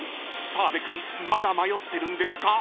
［澤部君まだ迷ってるんですか？］